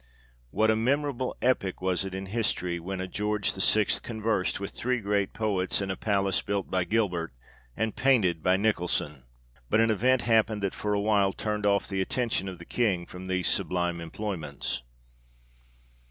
What a memorable epoch was it in history, when a George VI. conversed with three great poets, in a palace built by Gilbert, and painted by Nicholson ! But an event happened that, for a while, turned off the attention of the King from these sublime employ ments.